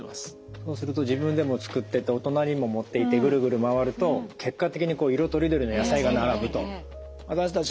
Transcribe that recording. そうすると自分でも作ってお隣にも持っていってグルグル回ると結果的に色とりどりの野菜が並ぶと。